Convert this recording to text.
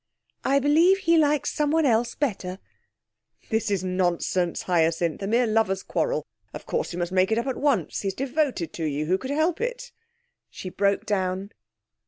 'I believe he likes someone else better.' 'This is nonsense, Hyacinth. A mere lovers' quarrel. Of course, you must make it up at once. He's devoted to you. Who could help it?' She broke down.